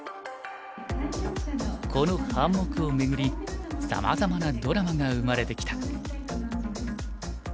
この半目を巡りさまざまなドラマが生まれてきた。